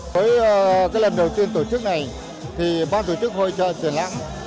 với lần đầu tiên tổ chức này ban tổ chức hội trợ triển lãng